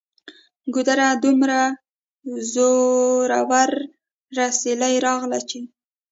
ګودره! دومره زوروره سیلۍ راغلله چې